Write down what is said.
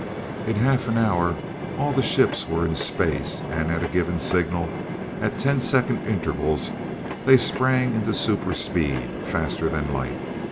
In half an hour, all the ships were in space, and at a given signal, at ten second intervals, they sprang into the superspeed, faster than light.